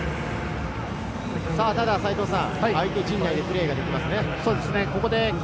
ただ、相手陣内でプレーができますね。